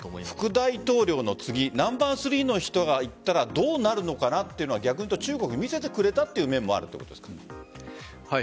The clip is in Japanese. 副大統領の次ナンバー３の人が行ったらどうなるのかなというのは中国に見せてくれるという面もあるということですか？